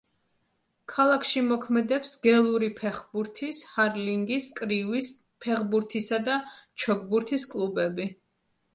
ქალაქში მოქმედებს გელური ფეხბურთის, ჰარლინგის, კრივის, ფეხბურთისა და ჩოგბურთის კლუბები.